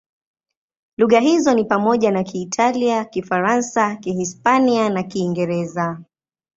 Lugha hizo ni pamoja na Kiitalia, Kifaransa, Kihispania na Kiingereza.